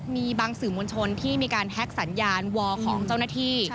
มีบางสื่อมวลชนที่มีการแฮ็กสัญญาณวอลของเจ้าหน้าที่